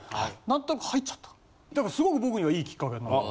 なんとなく入っちゃっただからすごく僕にはいいきっかけになった。